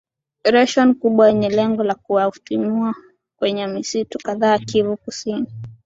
ration kubwa yenye lengo la kuwatimua kwenye misitu kadhaa kivu kusini